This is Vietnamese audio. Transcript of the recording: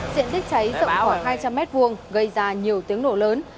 diện tích cháy rộng khoảng hai trăm linh m hai gây ra nhiều tiếng nổ lớn